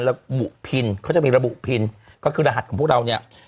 ระบุพินเขาจะมีระบุพินก็คือรหัสของพวกเราเนี่ย